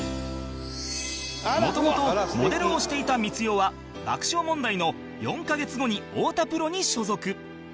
もともとモデルをしていた光代は爆笑問題の４カ月後に太田プロに所属